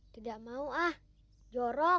tidak mau ah jorok